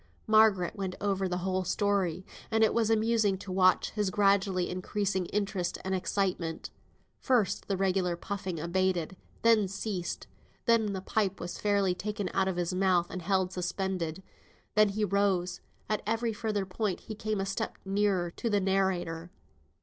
Margaret went over the whole story, and it was amusing to watch his gradually increasing interest and excitement. First, the regular puffing abated, then ceased. Then the pipe was fairly taken out of his mouth, and held suspended. Then he rose, and at every further point he came a step nearer to the narrator.